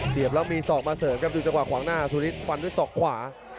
แล้วมีศอกมาเสริมครับดูจังหวะขวางหน้าสุรินฟันด้วยศอกขวา